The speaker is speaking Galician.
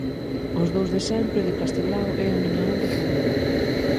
Os dous de sempre, de Castelao é a miña obra favorita.